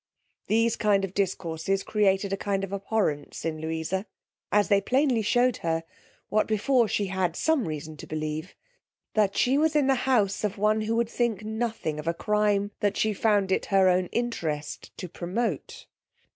These kind of discourses created a kind of abhorrence in Louisa, as they plainly shewed her, what before she had some reason to believe, that she was in the house of one who would think nothing a crime that she found it her own interest to promote.